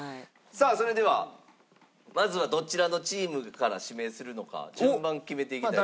さあそれではまずはどちらのチームから指名するのか順番決めていきたいと。